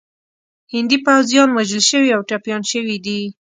هندي پوځیان وژل شوي او ټپیان شوي دي.